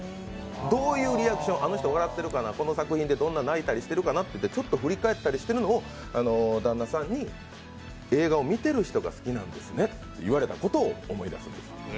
どういうリアクション、あの人、笑っているかな、どんな泣いたりしてるかなと振り返ったりしてるのを旦那さんに映画を見てる人が好きなんですねと言われたのを思い出すんです。